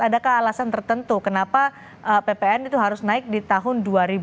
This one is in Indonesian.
adakah alasan tertentu kenapa ppn itu harus naik di tahun dua ribu dua puluh